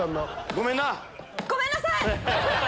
ごめんなさい！